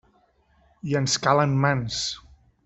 I ens calen mans!